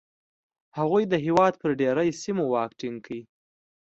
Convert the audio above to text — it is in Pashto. هغوی د هېواد پر ډېری سیمو واک ټینګ کړ